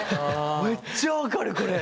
めっちゃ分かるこれ。